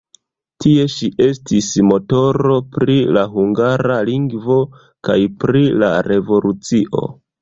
Tie ŝi estis motoro pri la hungara lingvo kaj pri la revolucio.